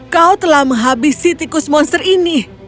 kau telah menghabisi tikus monster ini